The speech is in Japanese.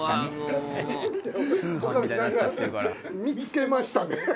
「見つけましたね」